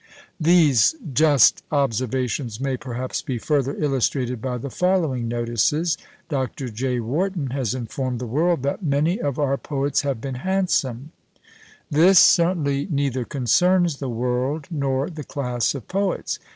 These just observations may, perhaps, be further illustrated by the following notices. Dr. J. Warton has informed the world that many of our poets have been handsome. This, certainly, neither concerns the world, nor the class of poets.